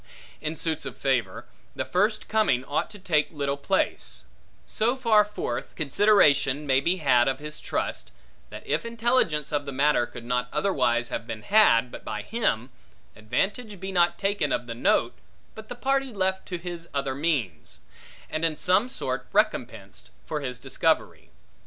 In suits of favor, the first coming ought to take little place: so far forth, consideration may be had of his trust, that if intelligence of the matter could not otherwise have been had, but by him, advantage be not taken of the note, but the party left to his other means; and in some sort recompensed, for his discovery.